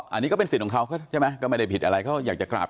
อันนี้ก็เป็นสิทธิ์ของเขาใช่ไหมก็ไม่ได้ผิดอะไรเขาอยากจะกราบ